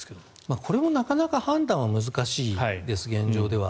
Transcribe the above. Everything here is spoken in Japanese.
これもなかなか判断は難しいです、現状では。